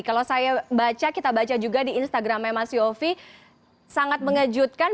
kalau saya baca kita baca juga di instagramnya mas yofi sangat mengejutkan